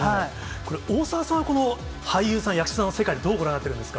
これ、大澤さんは、この俳優さん、役者の世界ってどうご覧になってるんですか。